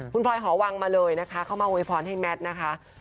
คุณพลอยหอวังมาเลยนะคะเข้ามาโวยพรให้แมทนะคะ